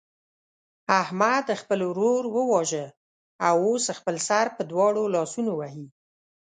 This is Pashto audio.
احمد خپل ورور وواژه او اوس خپل سر په دواړو لاسونو وهي.